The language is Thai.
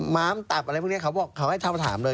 มามตับอะไรพวกนี้เขาให้ถามเลย